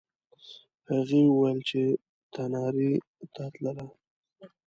هغې وویل چې تنارې ته تلله.